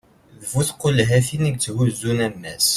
d bu tqulhatin i yetthuzzun ammas